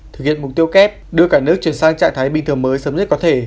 thực hiện mục tiêu kép đưa cả nước chuyển sang trạng thái bình thường mới sớm nhất có thể